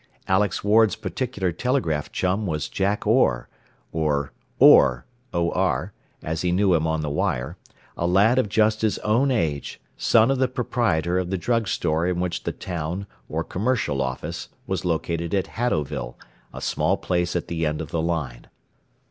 Alex Ward's particular telegraph chum was Jack Orr, or "OR," as he knew him on the wire, a lad of just his own age, son of the proprietor of the drug store in which the town, or commercial, office was located at Haddowville, a small place at the end of the line.